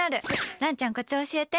蘭ちゃん、コツ教えて？